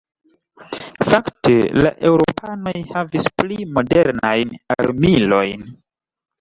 Fakte la eŭropanoj havis pli modernajn armilojn.